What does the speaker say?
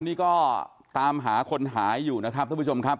นี่ก็ตามหาคนหายอยู่นะครับท่านผู้ชมครับ